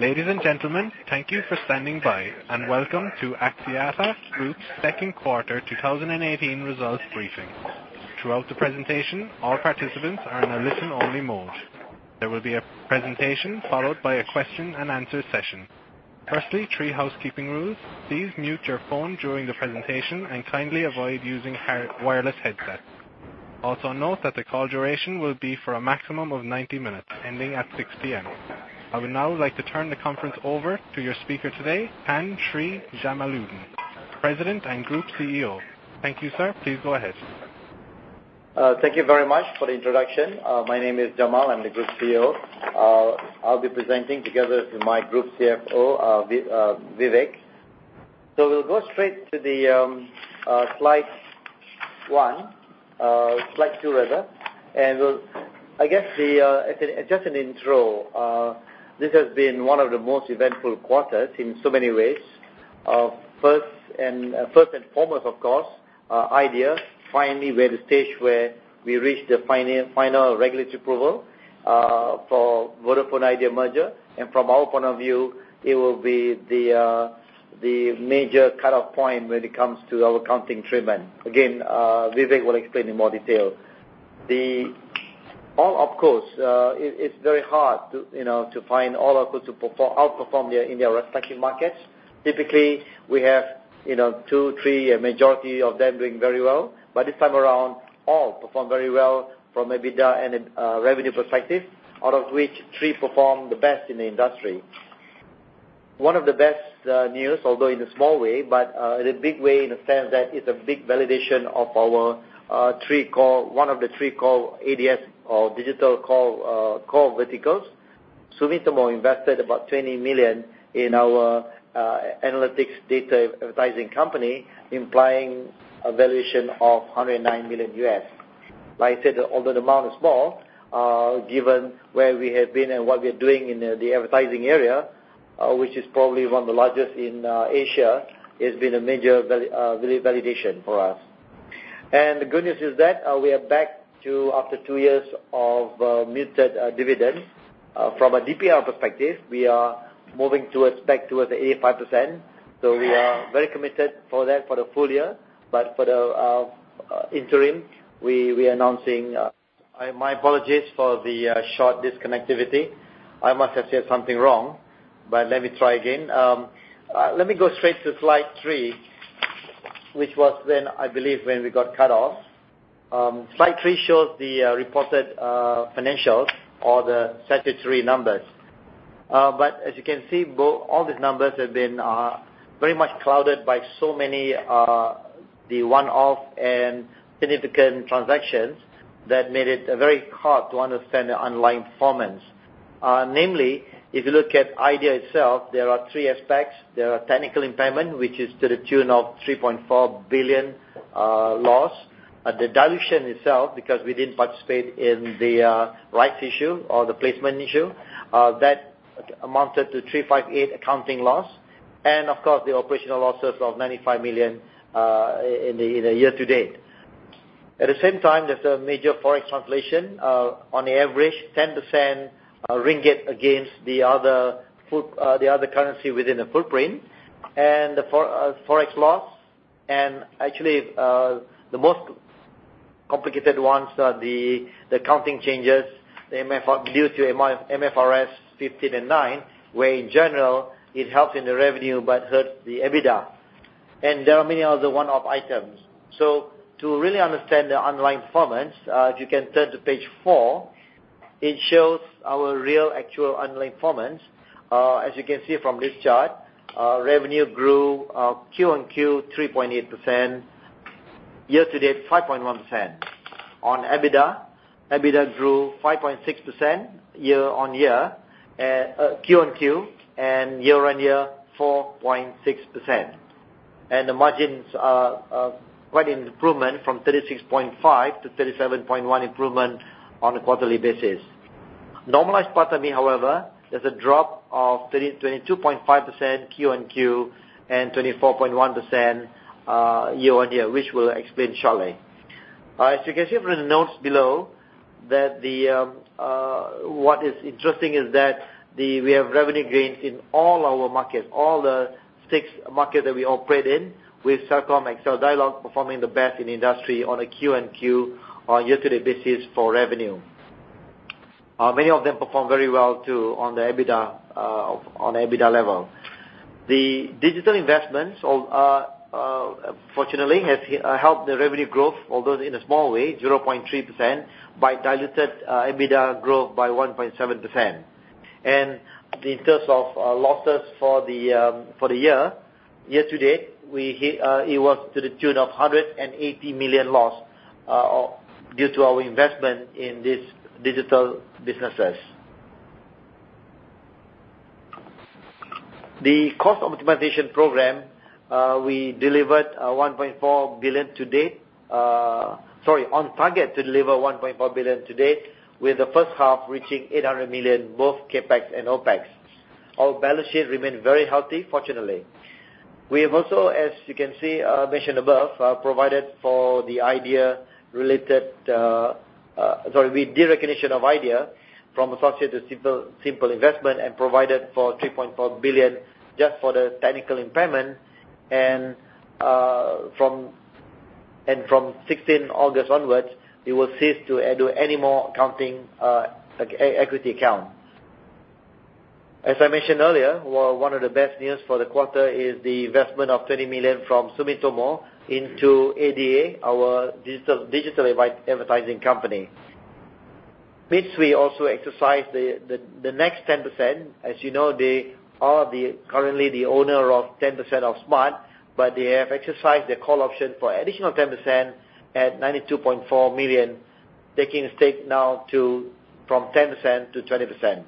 Ladies and gentlemen, thank you for standing by, and welcome to Axiata Group's second quarter 2018 results briefing. Throughout the presentation, all participants are in a listen-only mode. There will be a presentation followed by a question and answer session. Firstly, three housekeeping rules. Please mute your phone during the presentation and kindly avoid using wireless headsets. Also note that the call duration will be for a maximum of 90 minutes, ending at 6:00 P.M. I would now like to turn the conference over to your speaker today, Tan Sri Jamaludin, President and Group CEO. Thank you, sir. Please go ahead. Thank you very much for the introduction. My name is Jamal. I'm the Group CEO. I'll be presenting together with my Group CFO, Vivek. We'll go straight to the slide one, slide two rather. Just an intro. This has been one of the most eventful quarters in so many ways. First and foremost, of course, Idea. Finally, we're at the stage where we reached the final regulatory approval for Vodafone Idea merger. From our point of view, it will be the major cutoff point when it comes to our accounting treatment. Again, Vivek will explain in more detail. All opcos, it's very hard to find all opcos to outperform in their respective markets. Typically, we have two, three, a majority of them doing very well. This time around, all performed very well from an EBITDA and revenue perspective, out of which three performed the best in the industry. One of the best news, although in a small way, but in a big way in the sense that it's a big validation of one of the three core ADA or digital core verticals. Sumitomo invested about 20 million in our analytics data advertising company, implying a valuation of $109 million U.S. Like I said, although the amount is small, given where we have been and what we are doing in the advertising area, which is probably one of the largest in Asia, it's been a major validation for us. The good news is that we are back to after two years of muted dividends. From a DPR perspective, we are moving back towards the 85%. We are very committed for that for the full year. For the interim, we are announcing My apologies for the short disconnectivity. I must have said something wrong, let me try again. Let me go straight to slide three, which was when I believe when we got cut off. Slide three shows the reported financials or the statutory numbers. As you can see, all these numbers have been very much clouded by so many one-off and significant transactions that made it very hard to understand the underlying performance. Namely, if you look at Idea itself, there are three aspects. There are technical impairment, which is to the tune of 3.4 billion loss. The dilution itself, because we didn't participate in the rights issue or the placement issue, that amounted to 358 accounting loss. The operational losses of 95 million in the year-to-date. At the same time, there is a major Forex translation on average 10% MYR against the other currency within the footprint and the Forex loss. Actually, the most complicated ones are the accounting changes due to MFRS 15 and 9, where in general, it helps in the revenue but hurts the EBITDA. There are many other one-off items. To really understand the underlying performance, if you can turn to page four, it shows our real actual underlying performance. As you can see from this chart, revenue grew Q-on-Q 3.8%, year-to-date 5.1%. On EBITDA grew 5.6% Q-on-Q, and year-on-year 4.6%. The margins are quite an improvement from 36.5%-37.1% improvement on a quarterly basis. Normalized PATAMI, however, there is a drop of 22.5% Q-on-Q and 24.1% year-on-year, which we will explain shortly. As you can see from the notes below, what is interesting is that we have revenue gains in all our markets, all the six markets that we operate in with Celcom, Axiata, Digi, performing the best in the industry on a Q-on-Q or year-to-date basis for revenue. Many of them performed very well too on the EBITDA level. The digital investments, fortunately, have helped the revenue growth, although in a small way, 0.3%, but diluted EBITDA growth by 1.7%. In terms of losses for the year-to-date, it was to the tune of 180 million loss due to our investment in these digital businesses. The cost optimization program, we are on target to deliver 1.4 billion to date, with the first half reaching 800 million, both CapEx and OpEx. Our balance sheet remains very healthy, fortunately. We have also, as you can see, mentioned above, provided for the Idea related, with the recognition of Idea from associate to simple investment and provided for 3.4 billion just for the technical impairment, and from 16 August onwards, we will cease to do any more accounting equity account. As I mentioned earlier, one of the best news for the quarter is the investment of 20 million from Sumitomo into ADA, our digital advertising company. Mitsui also exercised the next 10%. As you know, they are currently the owner of 10% of Smart, but they have exercised their call option for additional 10% at 92.4 million, taking a stake now from 10%-20%.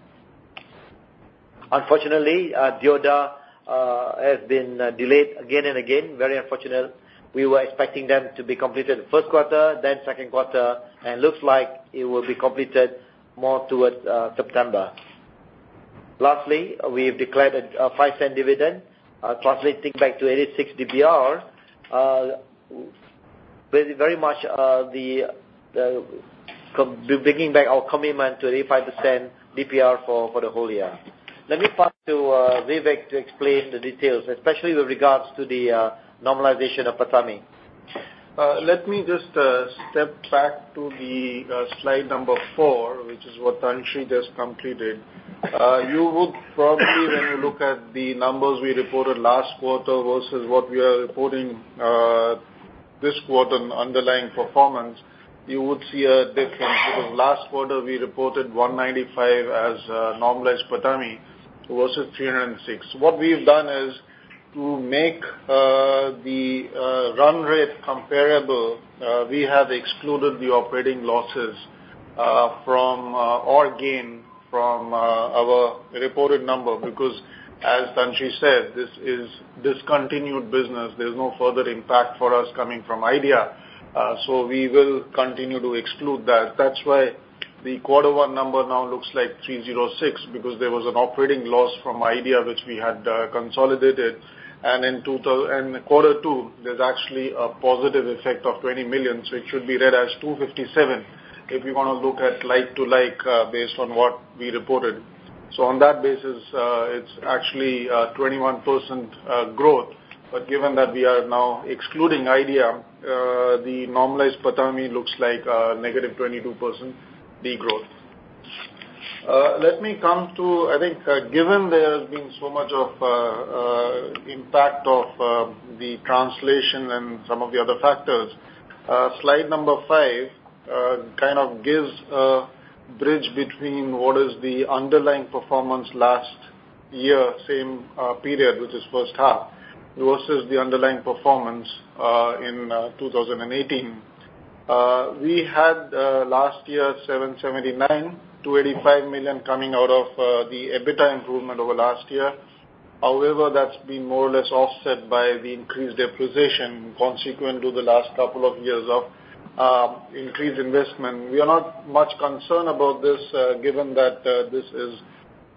Unfortunately, Deodar has been delayed again and again. Very unfortunate. We were expecting them to be completed the first quarter, then second quarter, looks like it will be completed more towards September. Lastly, we have declared a 0.05 dividend, translating back to 86% DPR. Very much bringing back our commitment to 85% DPR for the whole year. Let me pass to Vivek to explain the details, especially with regards to the normalization of PATAMI. Let me just step back to the slide number four, which is what Tan Sri just completed. You would probably, when you look at the numbers we reported last quarter versus what we are reporting this quarter on underlying performance, you would see a difference. Because last quarter, we reported 195 as normalized PATAMI versus 306. What we have done is to make the run rate comparable, we have excluded the operating losses or gain from our reported number, because as Tan Sri said, this is discontinued business. There is no further impact for us coming from Idea. We will continue to exclude that. That is why the quarter one number now looks like 306, because there was an operating loss from Idea, which we had consolidated. In quarter two, there is actually a positive effect of 20 million, so it should be read as 257 if you want to look at like to like, based on what we reported. On that basis, it is actually a 21% growth. Given that we are now excluding Idea, the normalized PATAMI looks like a negative 22% de-growth. Let me come to, I think, given there has been so much of impact of the translation and some of the other factors, slide number five, kind of gives a bridge between what is the underlying performance last year, same period, which is first half, versus the underlying performance in 2018. We had, last year, 779, 285 million coming out of the EBITDA improvement over last year. However, that has been more or less offset by the increased depreciation consequent to the last couple of years of increased investment. We are not much concerned about this, given that this is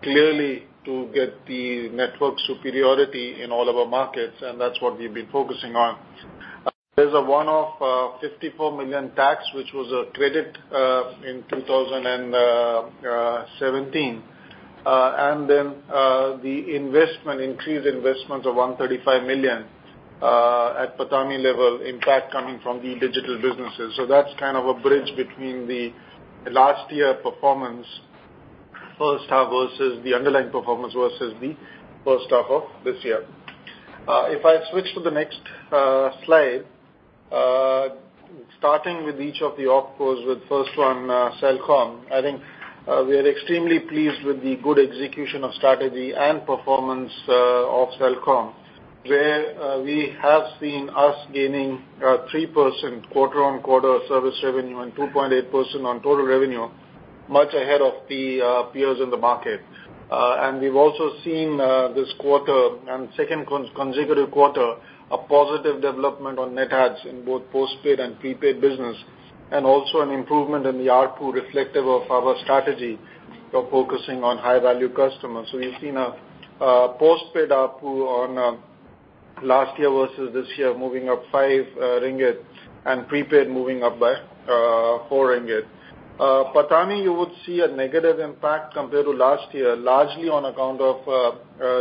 clearly to get the network superiority in all of our markets, and that is what we have been focusing on. There is a one-off 54 million tax, which was a credit in 2017. Then the increased investment of 135 million at PATAMI level, in fact, coming from the digital businesses. So that is kind of a bridge between the last year performance, first half, versus the underlying performance versus the first half of this year. If I switch to the next slide, starting with each of the opcos with first one, Celcom. I think we are extremely pleased with the good execution of strategy and performance of Celcom, where we have seen us gaining 3% quarter-on-quarter service revenue and 2.8% on total revenue, much ahead of the peers in the market. We have also seen this quarter, and second consecutive quarter, a positive development on net adds in both postpaid and prepaid business, and also an improvement in the ARPU reflective of our strategy of focusing on high-value customers. So you have seen a postpaid ARPU on last year versus this year moving up five MYR and prepaid moving up by four MYR. PATAMI, you would see a negative impact compared to last year, largely on account of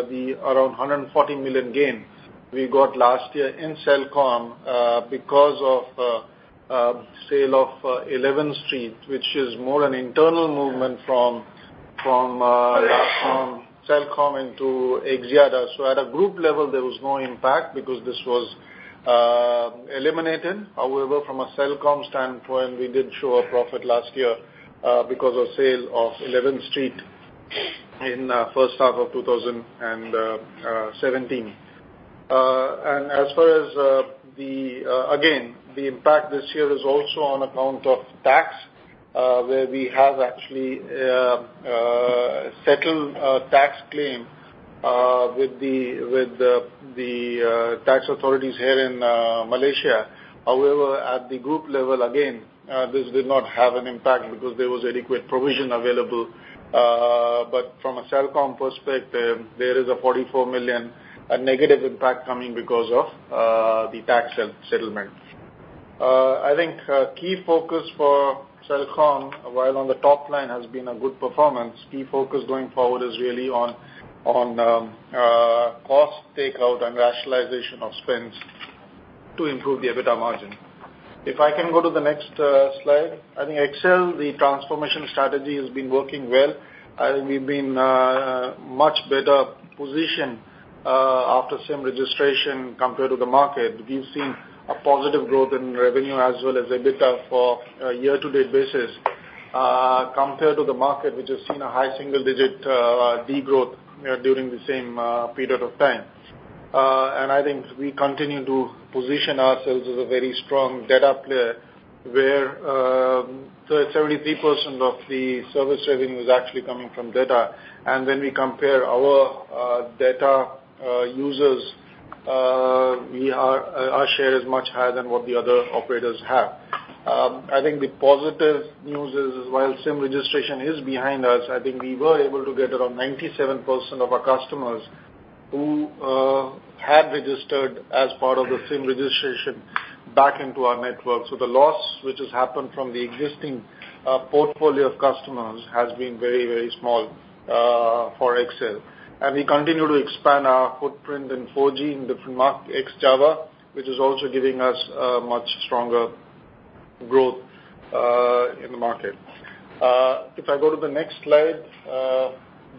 the around 140 million gain we got last year in Celcom because of sale of 11street, which is more an internal movement from Celcom into Axiata. So at a group level, there was no impact because this was eliminated. However, from a Celcom standpoint, we did show a profit last year because of sale of 11street in first half of 2017. As far as, again, the impact this year is also on account of tax, where we have actually settled a tax claim with the tax authorities here in Malaysia. However, at the group level, again, this did not have an impact because there was adequate provision available. From a Celcom perspective, there is a 44 million negative impact coming because of the tax settlement. I think a key focus for Celcom, while on the top line has been a good performance, key focus going forward is really on cost takeout and rationalization of spends to improve the EBITDA margin. If I can go to the next slide. I think XL, the transformation strategy has been working well. I think we've been much better positioned after SIM registration compared to the market. We've seen a positive growth in revenue as well as EBITDA for a year-to-date basis, compared to the market, which has seen a high single-digit degrowth during the same period of time. I think we continue to position ourselves as a very strong data player where 73% of the service revenue is actually coming from data. When we compare our data users, our share is much higher than what the other operators have. I think the positive news is, while SIM registration is behind us, I think we were able to get around 97% of our customers who had registered as part of the SIM registration back into our network. The loss which has happened from the existing portfolio of customers has been very, very small for XL. We continue to expand our footprint in 4G in different markets, Java, which is also giving us a much stronger growth in the market. If I go to the next slide.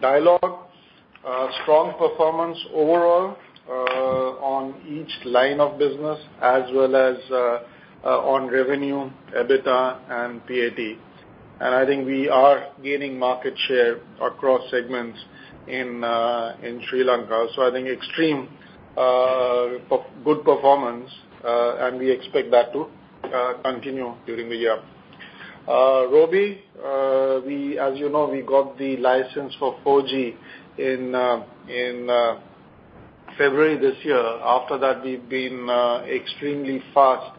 Dialog. Strong performance overall on each line of business, as well as on revenue, EBITDA, and PAT. I think we are gaining market share across segments in Sri Lanka. I think extreme good performance, and we expect that to continue during the year. Robi. As you know, we got the license for 4G in February this year. After that, we've been extremely fast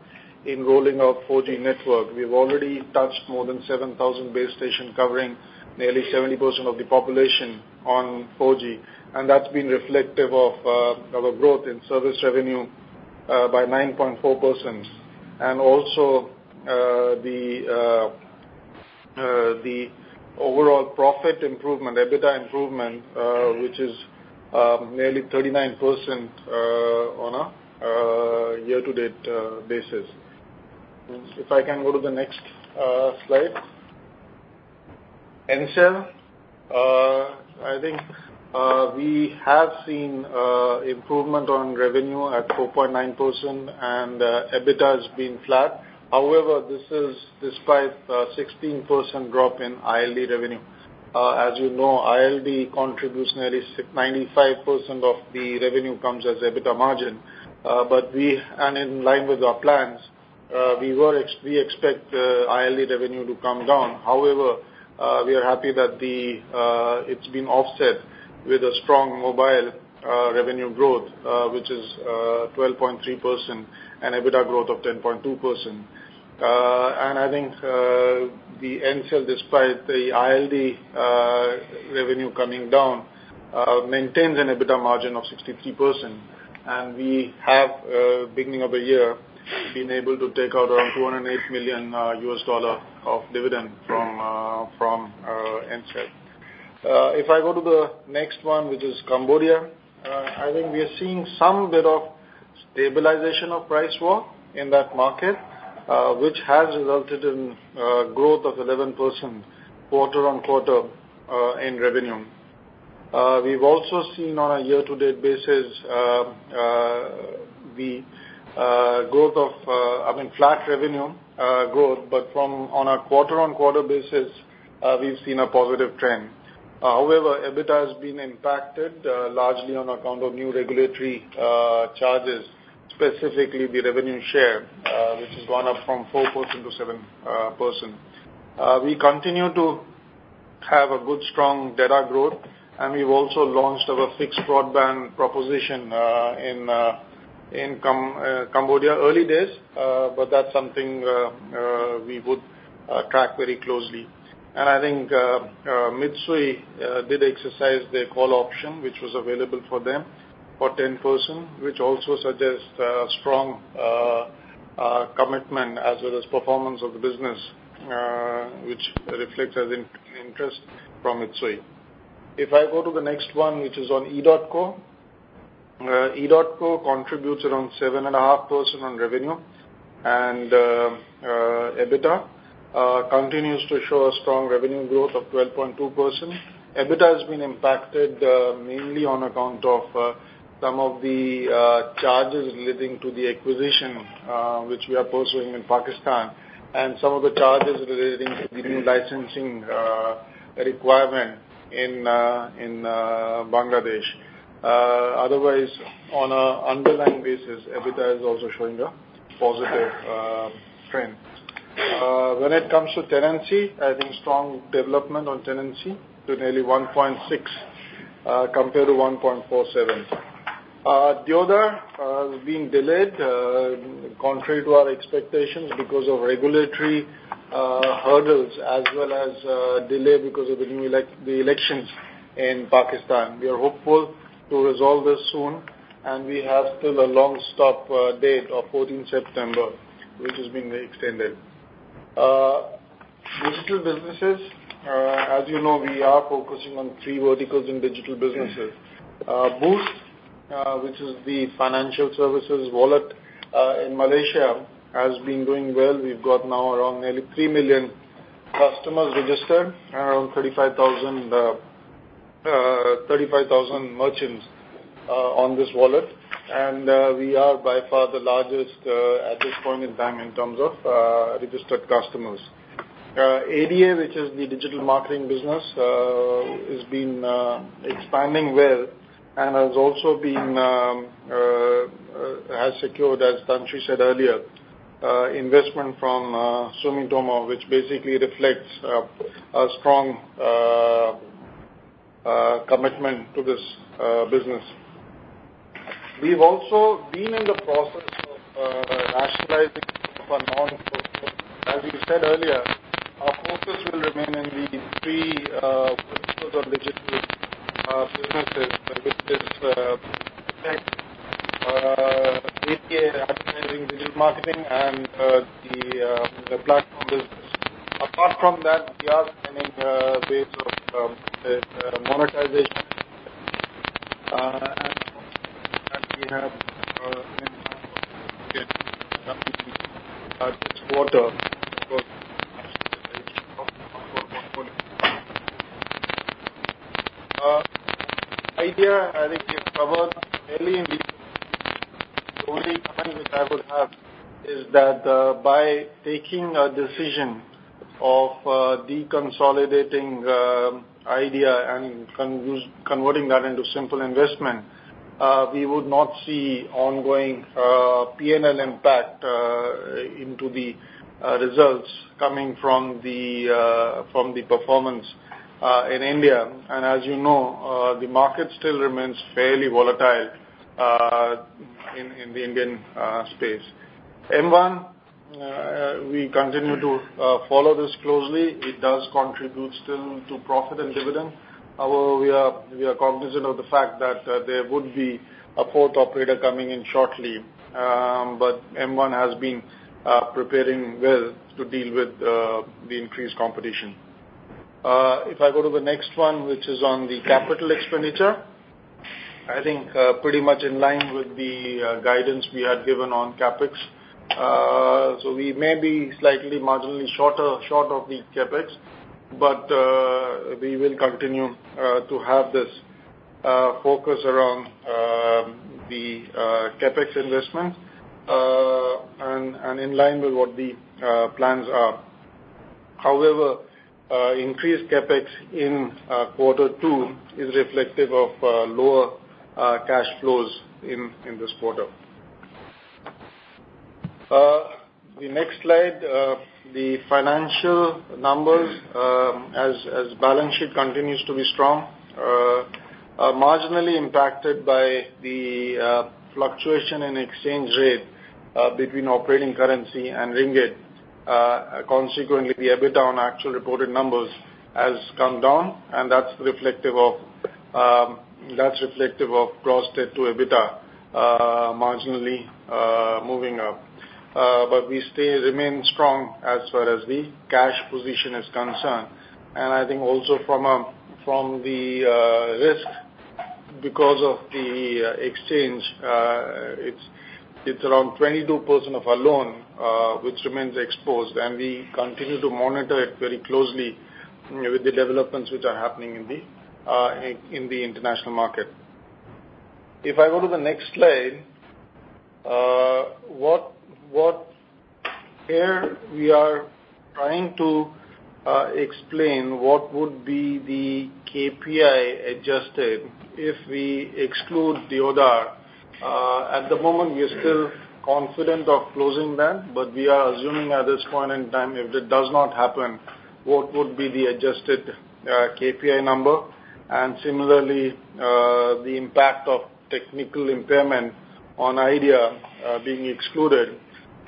in rolling out 4G network. We've already touched more than 7,000 base stations covering nearly 70% of the population on 4G. That's been reflective of our growth in service revenue by 9.4%. Also, the overall profit improvement, EBITDA improvement, which is nearly 39% on a year-to-date basis. If I can go to the next slide. Ncell. I think we have seen improvement on revenue at 4.9%, and EBITDA has been flat. However, this is despite a 16% drop in ILD revenue. As you know, ILD contributes nearly 95% of the revenue comes as EBITDA margin. In line with our plans, we expect ILD revenue to come down. However, we are happy that it's been offset with a strong mobile revenue growth, which is 12.3%, and EBITDA growth of 10.2%. I think the Ncell, despite the ILD revenue coming down, maintains an EBITDA margin of 63%. We have, beginning of the year, been able to take out around MYR 208 million of dividend from Ncell. If I go to the next one, which is Cambodia. I think we are seeing some bit of stabilization of price war in that market, which has resulted in growth of 11% quarter-on-quarter in revenue. We've also seen on a year-to-date basis, flat revenue growth. On a quarter-on-quarter basis, we've seen a positive trend. However, EBITDA has been impacted largely on account of new regulatory charges, specifically the revenue share, which has gone up from 4%-7%. We continue to have a good, strong data growth, and we've also launched our fixed broadband proposition in Cambodia. Early days, but that's something we would track very closely. I think Mitsui did exercise their call option, which was available for them for 10%, which also suggests a strong commitment as well as performance of the business, which reflects as interest from Mitsui. If I go to the next one, which is on edotco. edotco contributes around 7.5% on revenue and EBITDA. Continues to show a strong revenue growth of 12.2%. EBITDA has been impacted mainly on account of some of the charges relating to the acquisition which we are pursuing in Pakistan and some of the charges relating to the new licensing requirement in Bangladesh. Otherwise, on an underlying basis, EBITDA is also showing a positive trend. When it comes to tenancy, I think strong development on tenancy to nearly 1.6 compared to 1.47. Deodar has been delayed, contrary to our expectations, because of regulatory hurdles as well as delay because of the elections in Pakistan. We are hopeful to resolve this soon. We have still a long stop date of 14th September, which has been extended. Digital businesses. As you know, we are focusing on three verticals in digital businesses. Boost, which is the financial services wallet in Malaysia, has been doing well. We've got now around nearly 3 million customers registered, around 35,000 merchants on this wallet. We are by far the largest at this point in time in terms of registered customers. ADA, which is the digital marketing business, has been expanding well and has also secured, as Tan Sri said earlier, investment from Sumitomo, which basically reflects a strong commitment to this business. We've also been in the process of rationalizing of our non-core. As we said earlier, our focus will remain in the three vertical digital businesses. Which is FinTech, ADA, advertising, digital marketing, and the platform business. Apart from that, we are planning ways of monetization and we have 1.4 million customers in this quarter of 2018. Idea, I think we've covered fairly in detail. The only comment which I would have, is that by taking a decision of deconsolidating Idea and converting that into simple investment, we would not see ongoing PNL impact into the results coming from the performance in India. As you know, the market still remains fairly volatile in the Indian space. M1, we continue to follow this closely. It does contribute still to profit and dividend. However, we are cognizant of the fact that there would be a fourth operator coming in shortly. M1 has been preparing well to deal with the increased competition. If I go to the next one, which is on the capital expenditure. I think pretty much in line with the guidance we had given on CapEx. We may be slightly marginally short of the CapEx, but we will continue to have this focus around the CapEx investment, and in line with what the plans are. However, increased CapEx in quarter two is reflective of lower cash flows in this quarter. The next slide, the financial numbers, as balance sheet continues to be strong, are marginally impacted by the fluctuation in exchange rate between operating currency and ringgit. Consequently, the EBITDA on actual reported numbers has come down, and that's reflective of gross debt to EBITDA marginally moving up. We still remain strong as far as the cash position is concerned. I think also from the risk, because of the exchange, it's around 22% of our loan which remains exposed, and we continue to monitor it very closely with the developments which are happening in the international market. If I go to the next slide. Here we are trying to explain what would be the KPI adjusted if we exclude Deodar. At the moment, we are still confident of closing that, but we are assuming at this point in time, if that does not happen, what would be the adjusted KPI number? Similarly, the impact of technical impairment on Idea being excluded.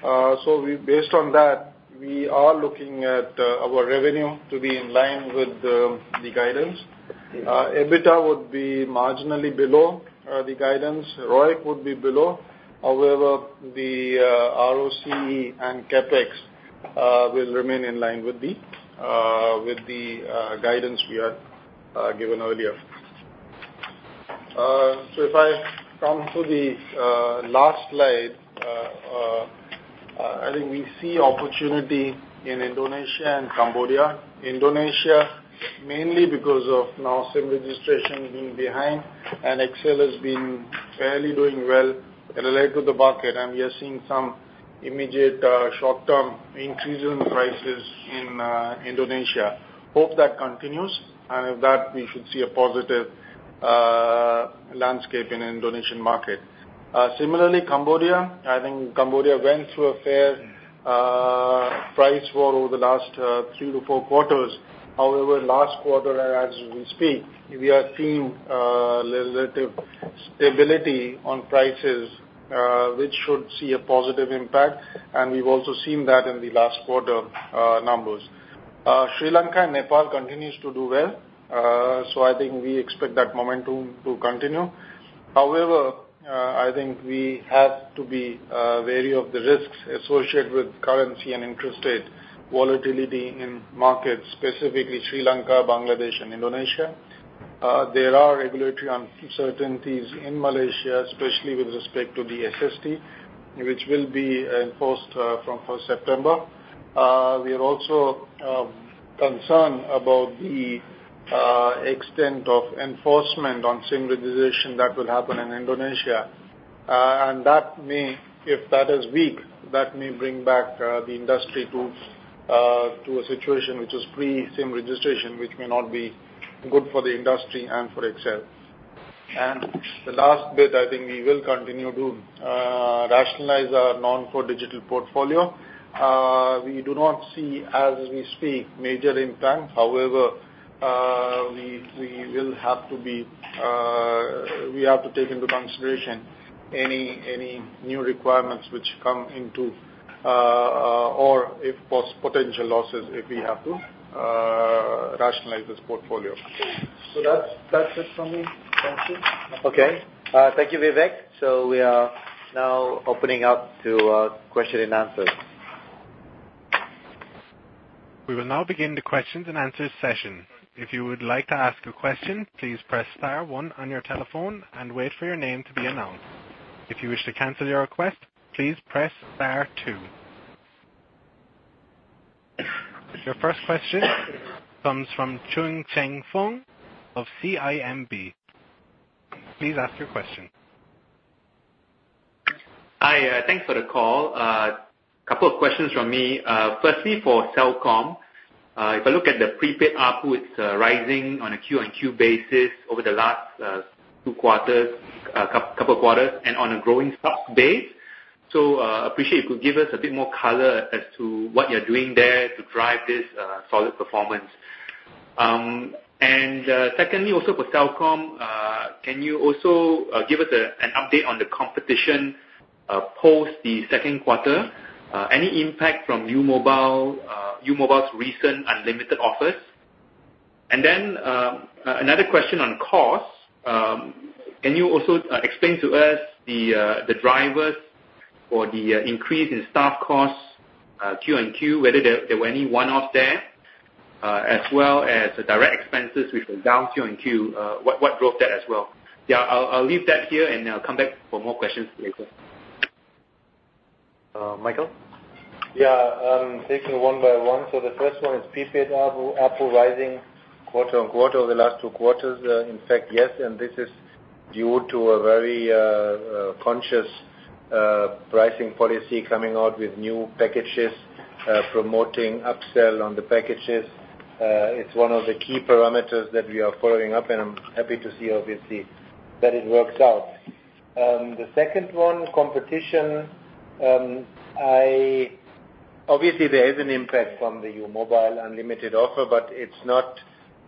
Based on that, we are looking at our revenue to be in line with the guidance. EBITDA would be marginally below the guidance. ROIC would be below. However, the ROCE and CapEx will remain in line with the guidance we had given earlier. If I come to the last slide. I think we see opportunity in Indonesia and Cambodia. Indonesia, mainly because of now SIM registration being behind, and XL has been fairly doing well related to the market, and we are seeing some immediate short-term increase in prices in Indonesia. Hope that continues, and if that we should see a positive landscape in Indonesian market. Similarly, Cambodia, I think Cambodia went through a fair price war over the last three to four quarters. However, last quarter, as we speak, we are seeing relative stability on prices, which should see a positive impact, and we've also seen that in the last quarter numbers. Sri Lanka and Nepal continues to do well. I think we expect that momentum to continue. However, I think we have to be wary of the risks associated with currency and interest rate volatility in markets, specifically Sri Lanka, Bangladesh, and Indonesia. There are regulatory uncertainties in Malaysia, especially with respect to the SST, which will be imposed from September 1st. We are also concerned about the extent of enforcement on SIM registration that will happen in Indonesia. If that is weak, that may bring back the industry to a situation which is pre-SIM registration, which may not be good for the industry and for XL. The last bit, I think we will continue to rationalize our non-core digital portfolio. We do not see, as we speak, major impact. However, we have to take into consideration any new requirements which come into, or if potential losses, if we have to rationalize this portfolio. That's it from me. Thank you. Okay. Thank you, Vivek. We are now opening up to question and answers. We will now begin the questions and answers session. If you would like to ask a question, please press star one on your telephone and wait for your name to be announced. If you wish to cancel your request, please press star two. Your first question comes from Chong Chang Fung of CIMB. Please ask your question. Hi. Thanks for the call. Couple of questions from me. Firstly, for Celcom. If I look at the prepaid ARPU, it's rising on a Q on Q basis over the last two quarters, couple of quarters, and on a growing subs base. Appreciate if you could give us a bit more color as to what you're doing there to drive this solid performance. Secondly, also for Celcom, can you also give us an update on the competition post the second quarter? Any impact from U Mobile's recent unlimited offers? Another question on costs. Can you also explain to us the drivers for the increase in staff costs Q and Q, whether there were any one-off there, as well as the direct expenses, which were down Q and Q, what drove that as well? I'll leave that here, and I'll come back for more questions later. Michael? Taking it one by one. The first one is prepaid ARPU rising quarter on quarter over the last two quarters. In fact, yes, this is due to a very conscious pricing policy coming out with new packages, promoting upsell on the packages. It's one of the key parameters that we are following up, I'm happy to see, obviously, that it works out. The second one, competition, obviously there is an impact from the U Mobile unlimited offer, but it's not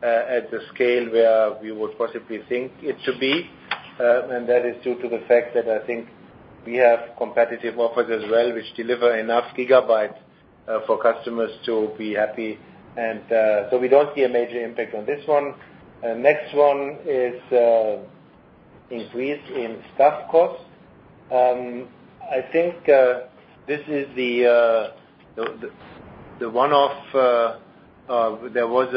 at the scale where we would possibly think it should be. That is due to the fact that I think we have competitive offers as well, which deliver enough gigabytes for customers to be happy. We don't see a major impact on this one. Next one is increase in staff costs. I think there was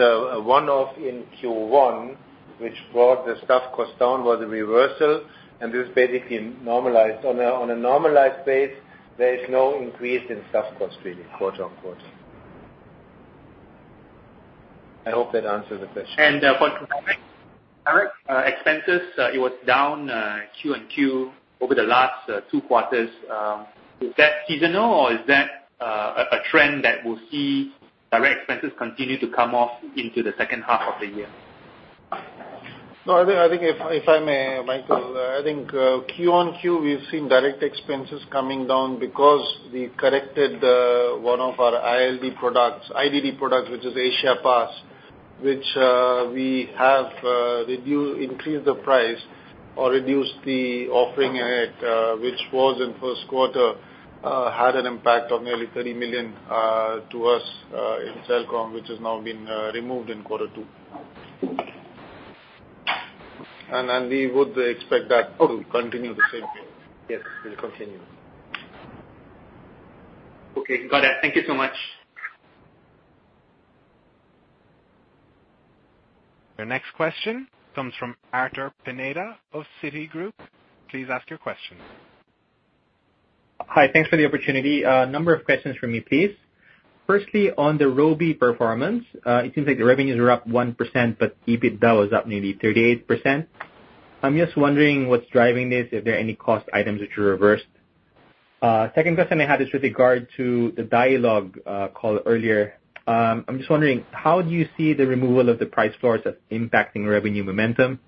a one-off in Q1, which brought the staff cost down, was a reversal, and this basically normalized. On a normalized base, there is no increase in staff cost really, quarter-on-quarter. I hope that answers the question. For direct expenses, it was down Q-on-Q over the last two quarters. Is that seasonal, or is that a trend that we'll see direct expenses continue to come off into the second half of the year? I think if I may, Michael, I think Q-on-Q, we've seen direct expenses coming down because we corrected one of our IDD products, which is Asia Pass, which we have increased the price or reduced the offering, which was in first quarter, had an impact of nearly 30 million to us in Celcom, which has now been removed in quarter two. We would expect that to continue the same way. Yes, will continue. Okay, got it. Thank you so much. Your next question comes from Arthur Pineda of Citigroup. Please ask your question. Hi. Thanks for the opportunity. A number of questions from me, please. Firstly, on the Robi performance, it seems like the revenues are up 1%, but EBITDA was up nearly 38%. I am just wondering what is driving this, if there are any cost items which were reversed. Second question I had is with regard to the Dialog call earlier. I am just wondering, how do you see the removal of the price floors as impacting revenue momentum?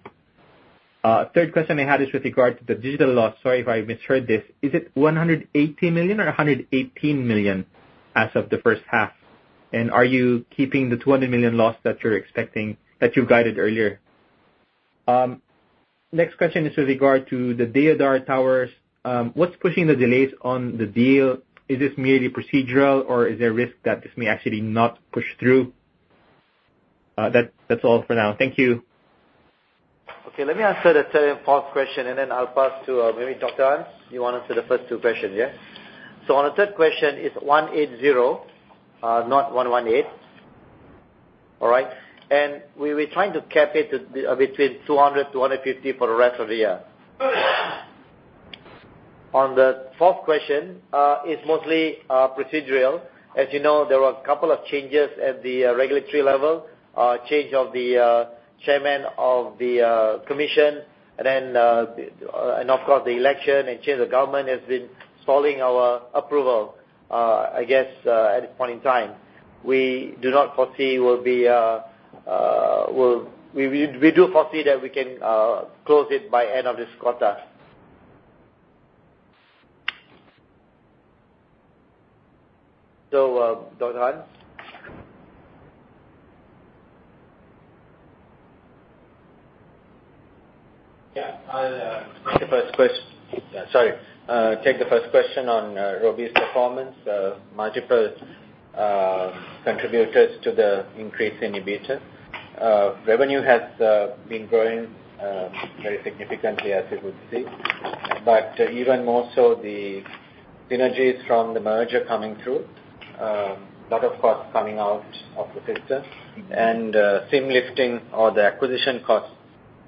Third question I had is with regard to the digital loss. Sorry if I misheard this. Is it 180 million or 118 million as of the first half? Are you keeping the 200 million loss that you guided earlier? Next question is with regard to the Deodar towers. What is pushing the delays on the deal? Is this merely procedural or is there a risk that this may actually not push through? That's all for now. Thank you. Let me answer the third and fourth question, then I'll pass to maybe Dr. Hans, you want to answer the first two questions, yeah. On the third question, it's 180, not 118. All right. We were trying to cap it between 200, 250 for the rest of the year. On the fourth question, it's mostly procedural. As you know, there were a couple of changes at the regulatory level. Change of the chairman of the commission, then, of course, the election and change of government has been stalling our approval, I guess, at this point in time. We do foresee that we can close it by end of this quarter. Dr. Hans? Yeah. I'll take the first question on Robi's performance. Multiple contributors to the increase in EBITDA. Revenue has been growing very significantly as you could see. Even more so, the synergies from the merger coming through. Lot of costs coming out of the system. SIM lifting or the acquisition cost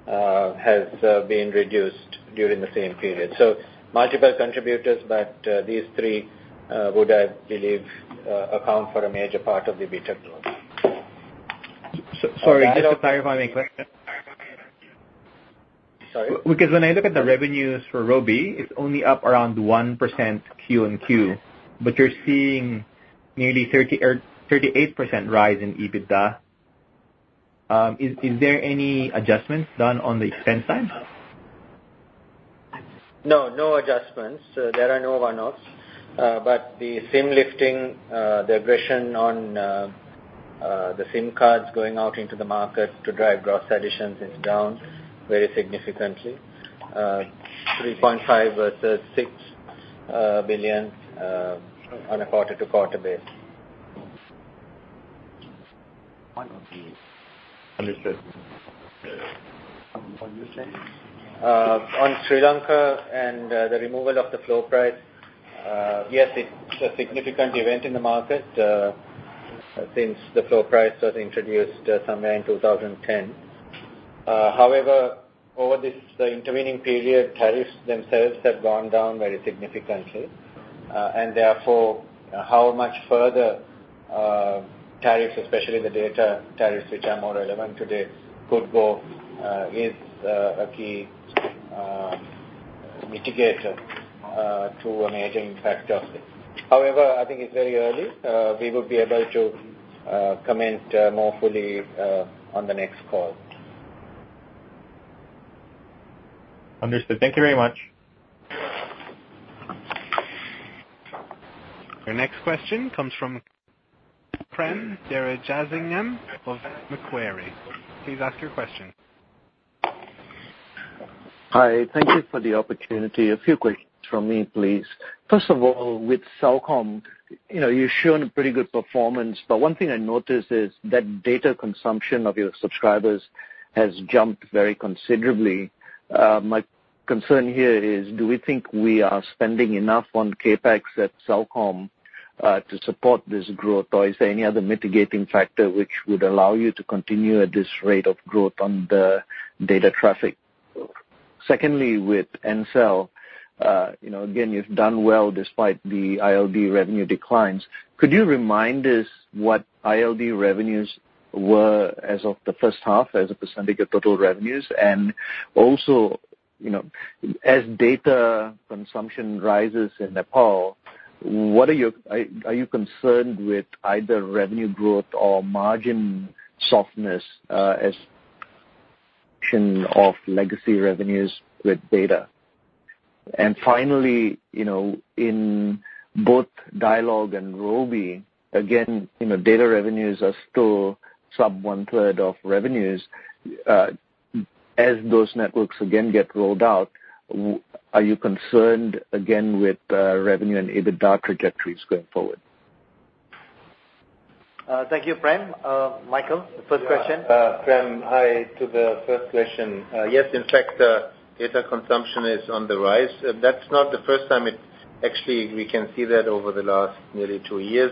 has been reduced during the same period. Multiple contributors, but these three would, I believe, account for a major part of the EBITDA growth. Sorry, just to clarify my question. Sorry? When I look at the revenues for Robi, it's only up around 1% Q on Q. You're seeing nearly 38% rise in EBITDA. Is there any adjustments done on the expense side? No, no adjustments. There are no one-offs. The SIM lifting, the aggression on the SIM cards going out into the market to drive gross additions is down very significantly. 3.5 billion versus 6 billion on a quarter-to-quarter basis. Understood. What you were saying? On Sri Lanka and the removal of the floor price, yes, it's a significant event in the market since the floor price was introduced somewhere in 2010. However, over this intervening period, tariffs themselves have gone down very significantly. Therefore, how much further tariffs, especially the data tariffs which are more relevant today, could go, is a key mitigator to a major factor. However, I think it's very early. We would be able to comment more fully on the next call. Understood. Thank you very much. Your next question comes from Prem Jearajasingam of Macquarie. Please ask your question. Hi. Thank you for the opportunity. A few questions from me, please. First of all, with Celcom, you've shown a pretty good performance, but one thing I noticed is that data consumption of your subscribers has jumped very considerably. My concern here is, do we think we are spending enough on CapEx at Celcom, to support this growth? Or is there any other mitigating factor which would allow you to continue at this rate of growth on the data traffic? Secondly, with Ncell, again, you've done well despite the ILD revenue declines. Could you remind us what ILD revenues were as of the first half as a percentage of total revenues? Also, as data consumption rises in Nepal, are you concerned with either revenue growth or margin softness as function of legacy revenues with data? Finally, in both Dialog and Robi, again, data revenues are still sub one-third of revenues. As those networks again get rolled out, are you concerned again with revenue and EBITDA trajectories going forward? Thank you, Prem. Michael, the first question. Prem, hi. To the first question, yes, in fact, data consumption is on the rise. That's not the first time. Actually, we can see that over the last nearly two years.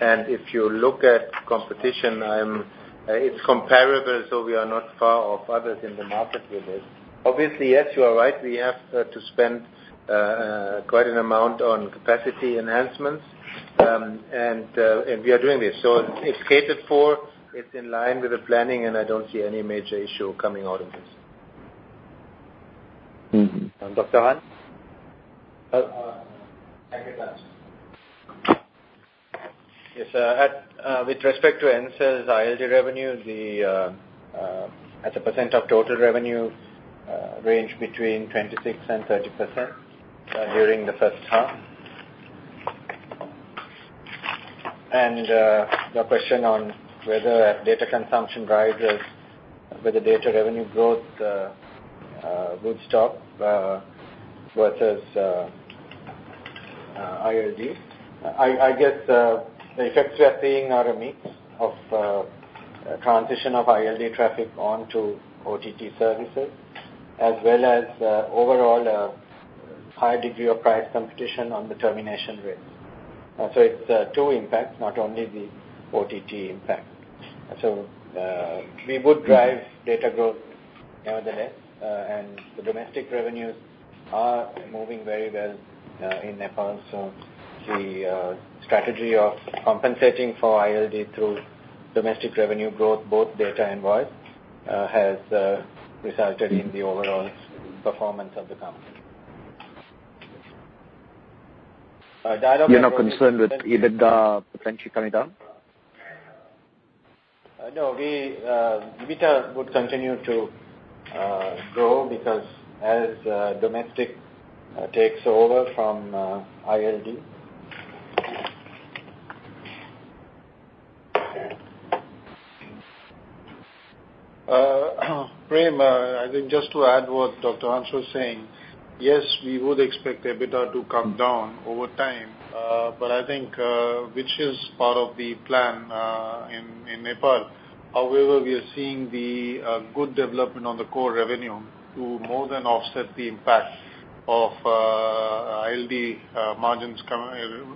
If you look at competition, it's comparable, we are not far off others in the market with this. Obviously, yes, you are right, we have to spend quite an amount on capacity enhancements. We are doing this. It's catered for, it's in line with the planning, I don't see any major issue coming out of this. Dr. Hans? Thank you, Jamal. Yes. With respect to Ncell's ILD revenue, as a percent of total revenue, range between 26% and 30% during the first half. Your question on whether data consumption rises, whether data revenue growth would stop versus ILD. I guess the effects we are seeing are a mix of transition of ILD traffic onto OTT services, as well as overall a high degree of price competition on the termination rates. It's two impacts, not only the OTT impact. We would drive data growth nevertheless, and the domestic revenues are moving very well in Nepal. The strategy of compensating for ILD through domestic revenue growth, both data and voice, has resulted in the overall performance of the company. You're not concerned with EBITDA potentially coming down? No, EBITDA would continue to grow, because as domestic takes over from ILD. Prem, I think just to add what Dr. Hans was saying, yes, we would expect EBITDA to come down over time. I think, which is part of the plan in Nepal, however, we are seeing the good development on the core revenue to more than offset the impact of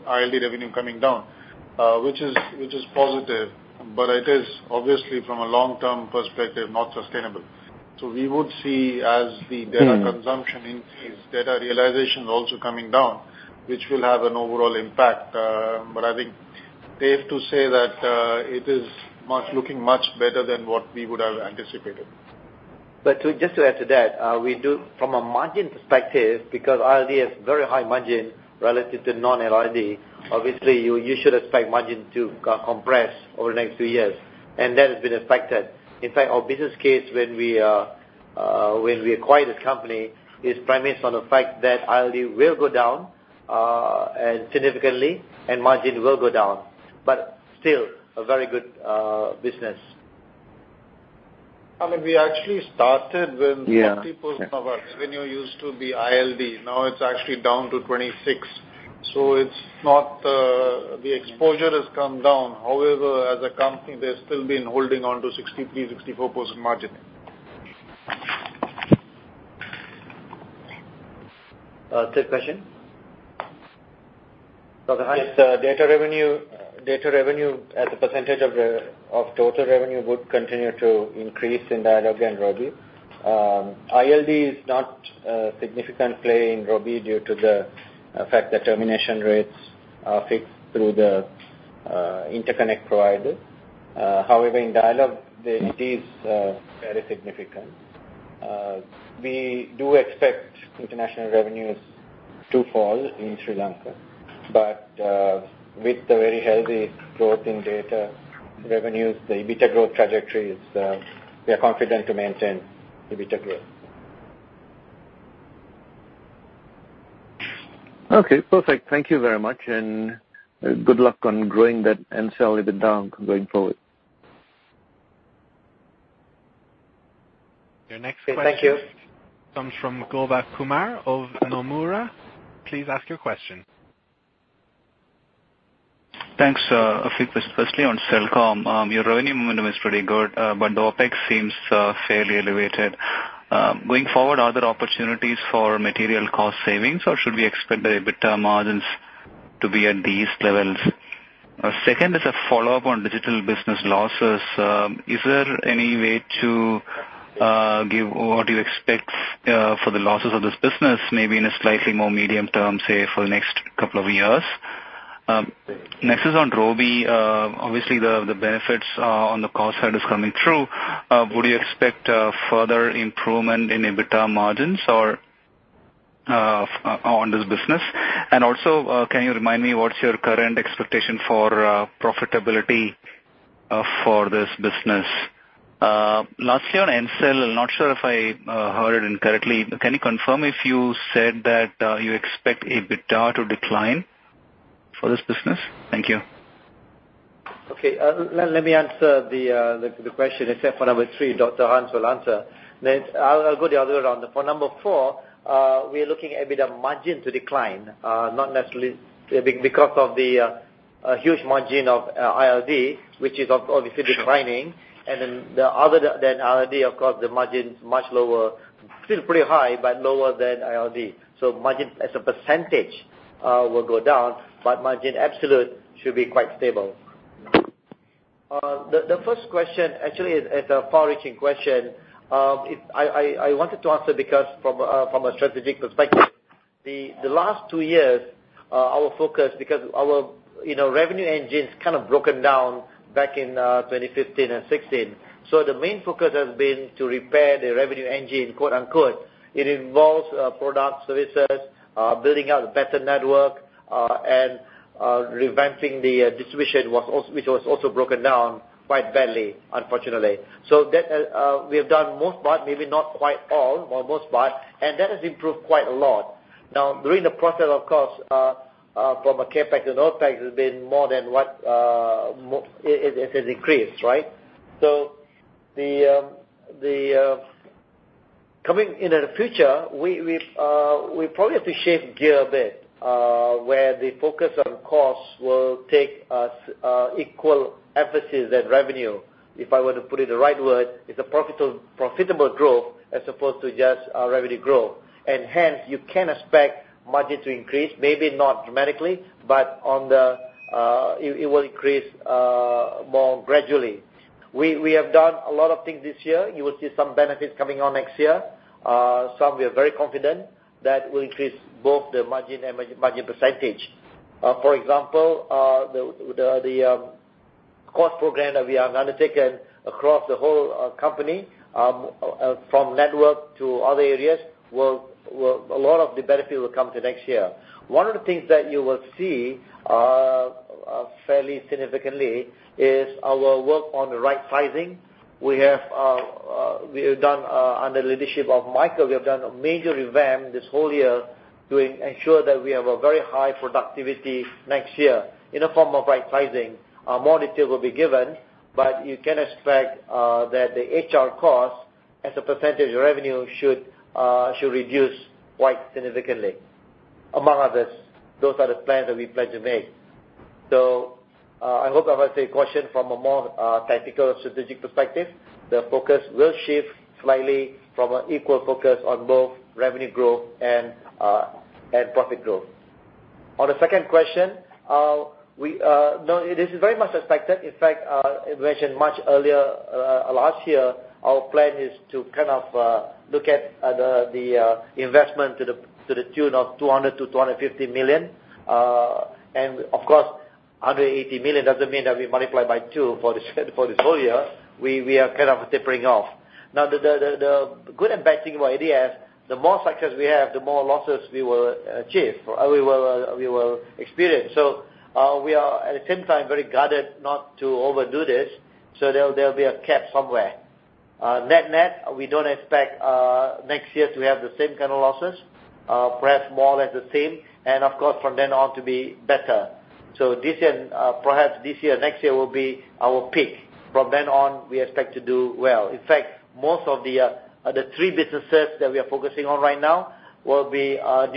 ILD revenue coming down. It is positive, but it is obviously from a long-term perspective, not sustainable. We would see as the data consumption increase, data realization also coming down, which will have an overall impact. I think it's safe to say that it is looking much better than what we would have anticipated. Just to add to that, from a margin perspective, because ILD has very high margin relative to non-ILD, obviously, you should expect margin to compress over the next 2 years, and that has been expected. In fact, our business case when we acquired the company is premised on the fact that ILD will go down significantly, and margin will go down. Still, a very good business. We actually started when- Yeah. -more people's revenue used to be ILD. Now it's actually down to 26. The exposure has come down. However, as a company, they're still been holding on to 63, 64% margin. Third question. Dr. Hans. Yes, data revenue as a percentage of total revenue would continue to increase in Dialog and Robi. ILD is not a significant play in Robi due to the fact that termination rates are fixed through the interconnect provider. However, in Dialog, it is very significant. We do expect international revenues to fall in Sri Lanka. With the very healthy growth in data revenues, the EBITDA growth trajectory, we are confident to maintain the EBITDA growth. Okay, perfect. Thank you very much, and good luck on growing that Ncell EBITDA going forward. Your next question. Thank you. Comes from Gopal Kumar of Nomura. Please ask your question. Thanks. A few, firstly, on Celcom. Your revenue momentum is pretty good, but the OpEx seems fairly elevated. Going forward, are there opportunities for material cost savings, or should we expect the EBITDA margins to be at these levels? Second is a follow-up on digital business losses. Is there any way to give what you expect for the losses of this business, maybe in a slightly more medium term, say, for the next couple of years? Next is on Robi. Obviously, the benefits on the cost side is coming through. Would you expect further improvement in EBITDA margins on this business? Also, can you remind me what's your current expectation for profitability for this business? Lastly, on Ncell, I'm not sure if I heard it correctly. Can you confirm if you said that you expect EBITDA to decline for this business? Thank you. Okay. Let me answer the question, except for number 3, Dr. Hans will answer. Then I'll go the other way around. For number 4, we're looking at EBITDA margin to decline, because of the huge margin of ILD, which is obviously declining. Then the other than ILD, of course, the margin's much lower. Still pretty high, but lower than ILD. Margin as a percentage will go down, but margin absolute should be quite stable. The first question actually is a far-reaching question. I wanted to answer because from a strategic perspective. The last two years, our focus, because our revenue engine has broken down back in 2015 and 2016. The main focus has been to repair the revenue engine, quote unquote. It involves product services, building out a better network, and revamping the distribution which was also broken down quite badly, unfortunately. We have done most part, maybe not quite all, but most part, and that has improved quite a lot. Now, during the process, of course, from a CapEx and OpEx, it has increased, right? Coming into the future, we probably have to shift gear a bit, where the focus on costs will take equal emphasis as revenue. If I were to put it in the right word, it's a profitable growth as opposed to just revenue growth. Hence, you can expect margin to increase, maybe not dramatically, but it will increase more gradually. We have done a lot of things this year. You will see some benefits coming on next year. Some we are very confident that will increase both the margin and margin percentage. For example, the cost program that we have undertaken across the whole company, from network to other areas, a lot of the benefit will come to next year. One of the things that you will see fairly significantly is our work on the right sizing. Under the leadership of Michael, we have done a major revamp this whole year to ensure that we have a very high productivity next year in the form of right sizing. More detail will be given, but you can expect that the HR cost as a percentage of revenue should reduce quite significantly. Among others, those are the plans that we pledge to make. I hope I've answered your question from a more tactical or strategic perspective. The focus will shift slightly from an equal focus on both revenue growth and profit growth. On the second question, this is very much expected. In fact, I mentioned much earlier, last year, our plan is to look at the investment to the tune of 200 million-250 million. And of course, 180 million doesn't mean that we multiply by two for this whole year. We are tapering off. The good and bad thing about ADS, the more success we have, the more losses we will achieve, or we will experience. We are at the same time very guarded not to overdo this, so there'll be a cap somewhere. Net net, we don't expect next year to have the same kind of losses. Perhaps more or less the same, and of course, from then on to be better. Perhaps this year, next year will be our peak. From then on, we expect to do well. In fact, most of the three businesses that we are focusing on right now will be PBT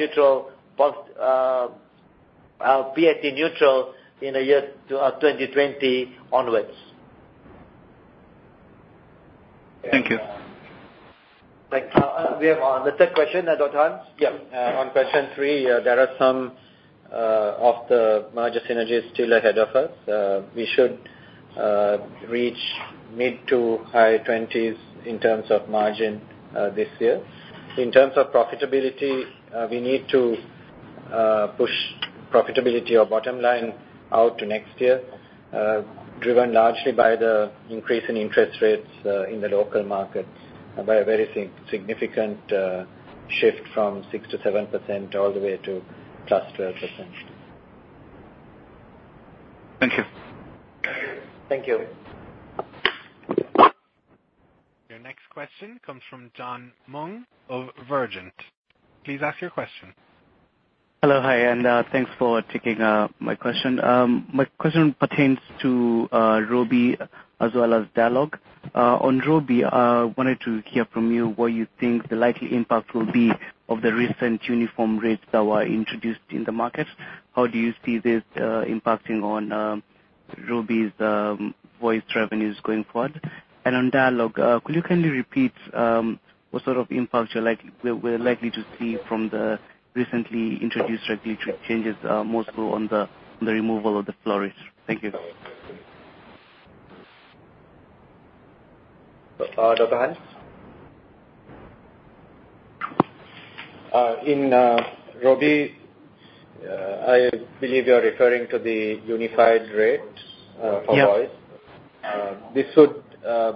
neutral in the year 2020 onwards. Thank you. Thanks. We have the third question, Dr. Hans? Yeah. On question three, there are some of the merger synergies still ahead of us. We should reach mid to high 20s in terms of margin this year. In terms of profitability, we need to push profitability or bottom line out to next year, driven largely by the increase in interest rates in the local market by a very significant shift from 6% to 7% all the way to plus 12%. Thank you. Thank you. Your next question comes from John Mong of Virgent. Please ask your question. Hello. Hi, and thanks for taking my question. My question pertains to Robi as well as Dialog. On Robi, I wanted to hear from you what you think the likely impact will be of the recent uniform rates that were introduced in the market. How do you see this impacting on Robi's voice revenues going forward? On Dialog, could you kindly repeat what sort of impacts we're likely to see from the recently introduced regulatory changes, most of all on the removal of the floor rates? Thank you. Dr. Hans? In Robi, I believe you're referring to the unified rates for voice. Yeah. This would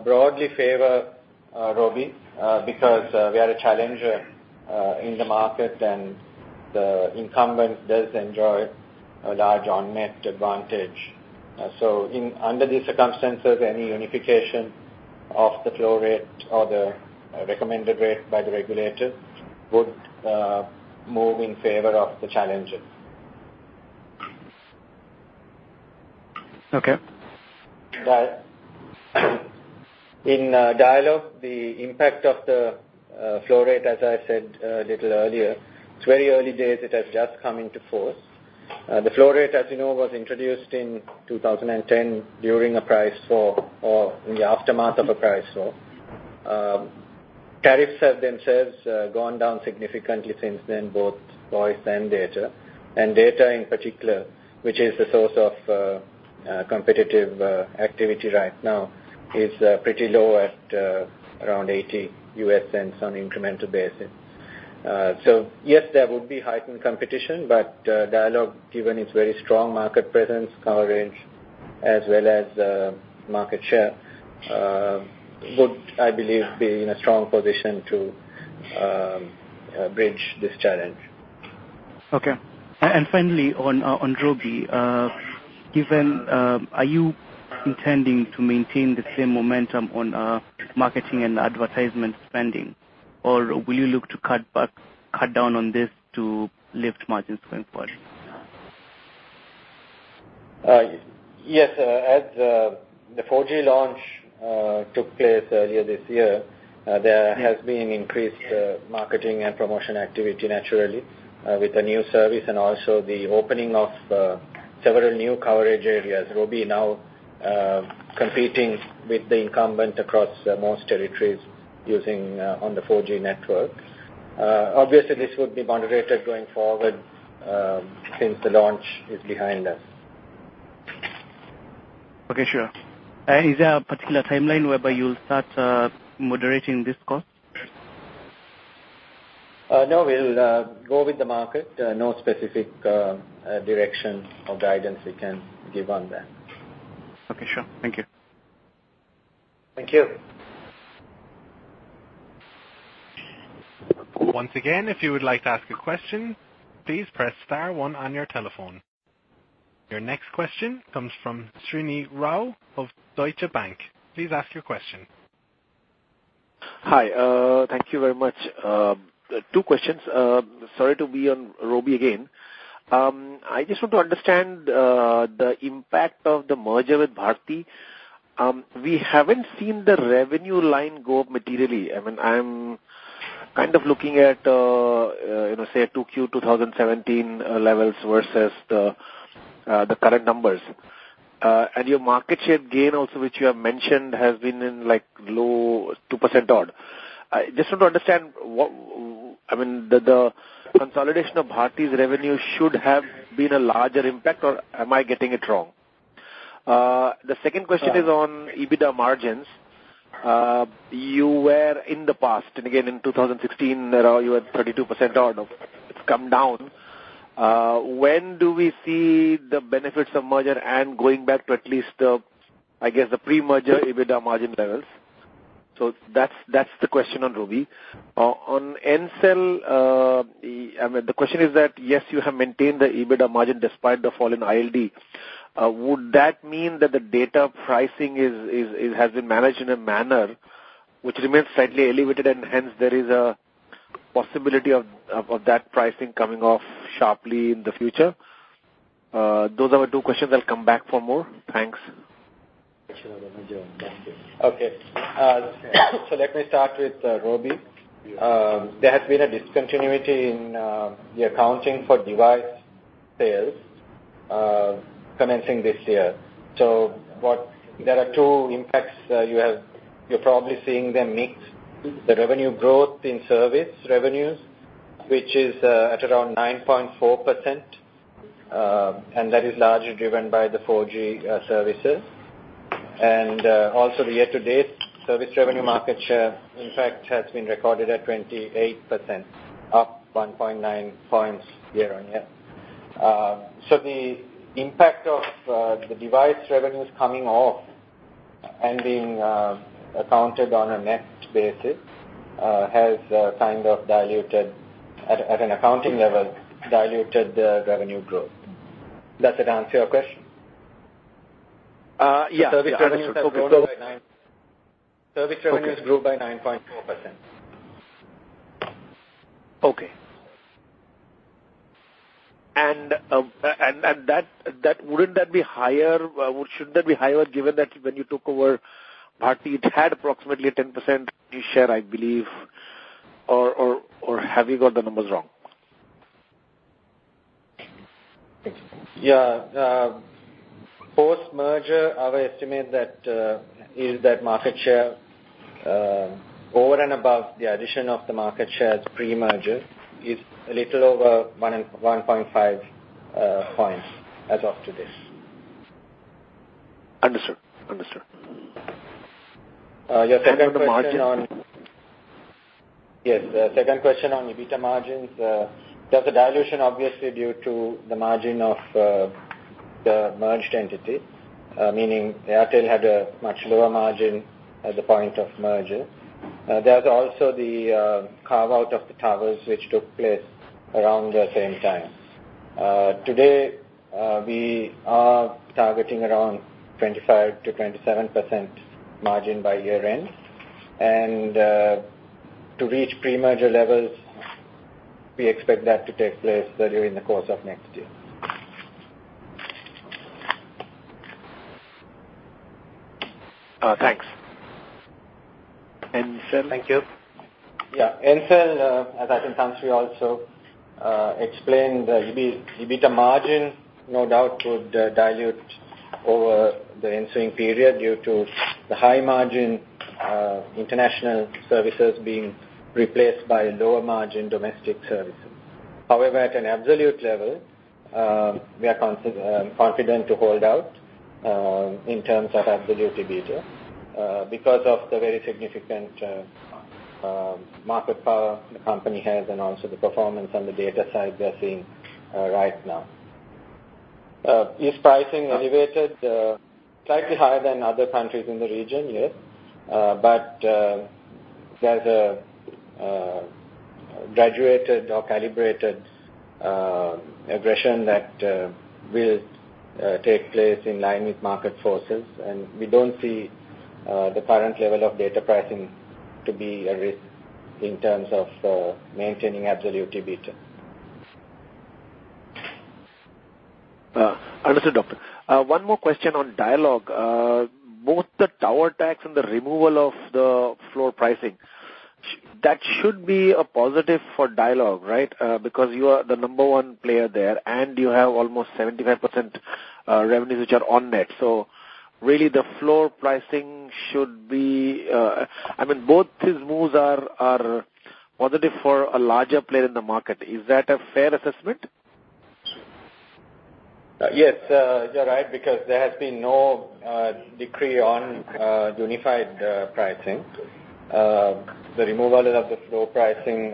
broadly favor Robi because we are a challenger in the market and the incumbent does enjoy a large on-net advantage. Under these circumstances, any unification of the floor rate or the recommended rate by the regulator would move in favor of the challenger. Okay. In Dialog, the impact of the floor rate, as I said a little earlier, it is very early days. It has just come into force. The floor rate, as you know, was introduced in 2010 during a price war or in the aftermath of a price war. Tariffs have themselves gone down significantly since then, both voice and data. Data in particular, which is the source of competitive activity right now is pretty low at around $0.80 on incremental basis. Yes, there would be heightened competition, but Dialog, given its very strong market presence, coverage, as well as market share, would, I believe, be in a strong position to bridge this challenge. Okay. Finally, on Robi, are you intending to maintain the same momentum on marketing and advertisement spending, or will you look to cut down on this to lift margins going forward? Yes. As the 4G launch took place earlier this year, there has been increased marketing and promotion activity, naturally, with the new service and also the opening of several new coverage areas. Robi now competing with the incumbent across most territories on the 4G network. Obviously, this would be moderated going forward since the launch is behind us. Okay, sure. Is there a particular timeline whereby you'll start moderating this cost? No, we'll go with the market. No specific direction or guidance we can give on that. Okay, sure. Thank you. Thank you. Once again, if you would like to ask a question, please press star one on your telephone. Your next question comes from Srinivas Rao of Deutsche Bank. Please ask your question. Hi. Thank you very much. Two questions. Sorry to be on Robi again. I just want to understand the impact of the merger with Bharti. We haven't seen the revenue line go up materially. I mean, I'm kind of looking at, say, 2Q 2017 levels versus the current numbers. And your market share gain also, which you have mentioned, has been in low 2% odd. I just want to understand, the consolidation of Bharti's revenue should have been a larger impact, or am I getting it wrong? The second question is on EBITDA margins. You were, in the past, and again in 2016, you were at 32% odd. It's come down. When do we see the benefits of merger and going back to at least, I guess, the pre-merger EBITDA margin levels? That's the question on Robi. On Ncell, the question is that, yes, you have maintained the EBITDA margin despite the fall in ILD. Would that mean that the data pricing has been managed in a manner which remains slightly elevated, and hence, there is a possibility of that pricing coming off sharply in the future? Those are my two questions. I'll come back for more. Thanks. Let me start with Robi. There has been a discontinuity in the accounting for device sales commencing this year. There are two impacts. You're probably seeing them mixed. The revenue growth in service revenues, which is at around 9.4%, and that is largely driven by the 4G services. Also, the year-to-date service revenue market share, in fact, has been recorded at 28%, up 1.9 points year-on-year. The impact of the device revenues coming off and being accounted on a net basis has, at an accounting level, diluted the revenue growth. Does that answer your question? Yeah. Service revenues grew by 9.4%. Shouldn't that be higher given that when you took over Bharti, it had approximately a 10% share, I believe, or have you got the numbers wrong? Yeah. Post-merger, our estimate is that market share, over and above the addition of the market share as pre-merger, is a little over 1.5 points as of today. Understood. Your second question on- Then the margin. Yes. The second question on EBITDA margins, there's a dilution, obviously, due to the margin of the merged entity, meaning Airtel had a much lower margin at the point of merger. There's also the carve-out of the towers, which took place around the same time. Today, we are targeting around 25%-27% margin by year-end. To reach pre-merger levels, we expect that to take place during the course of next year. Thanks. Thank you. Yeah. Ncell, as I think Tan Sri also explained, the EBITDA margin no doubt would dilute over the ensuing period due to the high margin international services being replaced by lower margin domestic services. However, at an absolute level, we are confident to hold out in terms of absolute EBITDA because of the very significant market power the company has and also the performance on the data side we are seeing right now. Is pricing elevated? Slightly higher than other countries in the region, yes. There's a graduated or calibrated aggression that will take place in line with market forces, and we don't see the current level of data pricing to be a risk in terms of maintaining absolute EBITDA. Understood. One more question on Dialog. Both the tower tax and the removal of the floor pricing, that should be a positive for Dialog, right? Because you are the number one player there, and you have almost 75% revenues which are on net. Both these moves are positive for a larger player in the market. Is that a fair assessment? Yes, you're right. There has been no decree on unified pricing. The removal of the floor pricing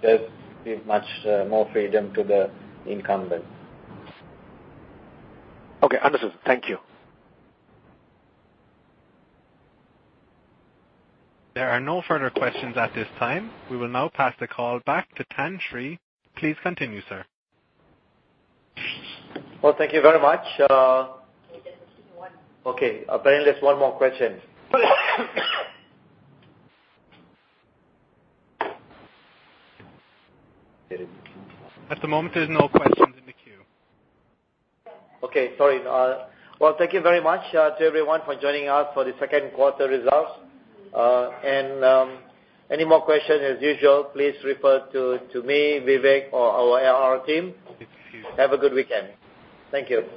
does give much more freedom to the incumbents. Okay, understood. Thank you. There are no further questions at this time. We will now pass the call back to Jamaludin Ibrahim. Please continue, sir. Well, thank you very much. We have one. Okay. Apparently, there's one more question. At the moment, there's no questions in the queue. Okay. Sorry. Well, thank you very much to everyone for joining us for the second quarter results. Any more question, as usual, please refer to me, Vivek, or our IR team. Have a good weekend. Thank you